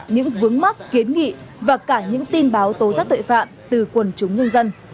những vướng mắt kiến nghị và cả những tin báo tố giác tuệ phạm từ quần chúng nhân dân